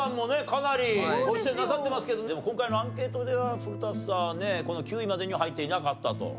かなりご出演なさってますけどでも今回のアンケートでは古田さんはね９位までには入っていなかったと。